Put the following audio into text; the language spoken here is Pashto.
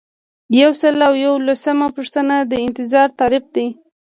یو سل او یوولسمه پوښتنه د انتظار تعریف دی.